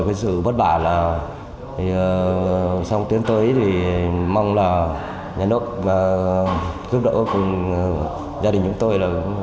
cái sự bất bả là xong tuyến tới thì mong là nhà nước giúp đỡ gia đình chúng tôi